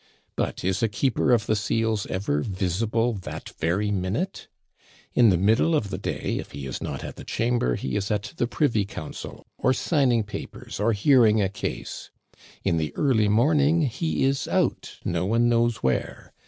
But is a Keeper of the Seals ever visible "that very minute"? In the middle of the day, if he is not at the Chamber, he is at the Privy Council, or signing papers, or hearing a case. In the early morning he is out, no one knows where.